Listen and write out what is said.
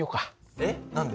えっ何で？